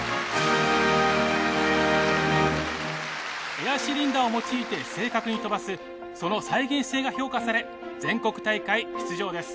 エアシリンダーを用いて正確に飛ばすその再現性が評価され全国大会出場です。